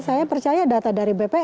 saya percaya data dari bpn